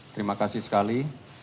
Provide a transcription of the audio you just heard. terima kasih sekali